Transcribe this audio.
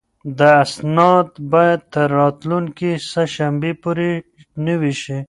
دا اسناد باید تر راتلونکې سه شنبې پورې نوي شي.